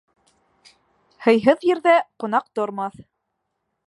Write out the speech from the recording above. Һыйһыҙ ерҙә ҡунаҡ тормаҫ.